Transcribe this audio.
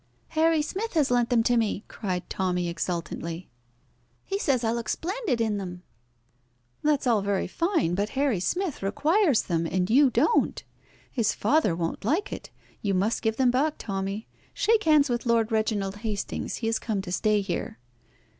"Harry Smith has lent them to me," cried Tommy exultantly. "He says I look splendid in them." "That is all very fine, but Harry Smith requires them, and you don't. His father won't like it. You must give them back, Tommy. Shake hands with Lord Reginald Hastings. He has come to stay here."